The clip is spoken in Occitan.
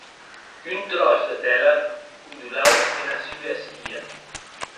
Un tròç de tela ondulaue ena sua esquia.